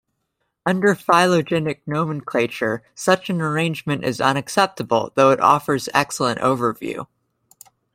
Under phylogenetic nomenclature, such an arrangement is unacceptable, though it offers excellent overview.